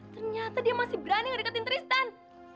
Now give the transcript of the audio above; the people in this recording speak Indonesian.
ternyata dia masih berani nge dekatin tristan